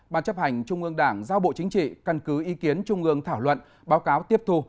ban chấp hành trung ương đảng giao bộ chính trị căn cứ ý kiến trung ương thảo luận báo cáo tiếp thu